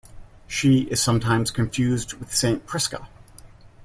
She is sometimes confused with Saint Prisca.